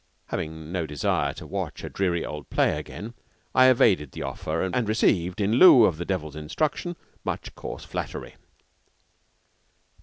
Having no desire to watch a weary old play again, I evaded the offer and received in lieu of the devil's instruction much coarse flattery.